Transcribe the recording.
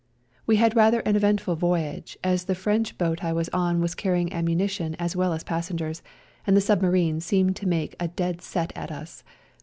We had rather an eventful voyage, as the French boat I was on was carrying ammunition as well as passengers, and the submarines seemed to make a dead set at us.